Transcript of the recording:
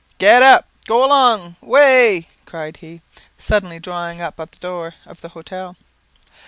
"Get up go along waye," cried he, suddenly drawing up at the door of the hotel.